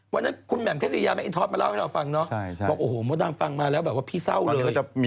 วันนั้นคุณแม่งเวี๋ยแม่งเททธิรภ์แล้วให้เราฟังละโอ้โหมาถล่างฟังมาแล้วบอกว่าพี่เศร้าเลย